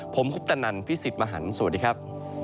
ผมคุปตนันพี่สิทธิ์มหันฯสวัสดีครับ